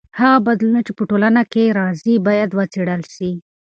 هغه بدلونونه چې په ټولنه کې راځي باید وڅېړل سي.